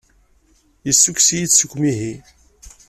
Yessukkes-iyi-d seg umihi.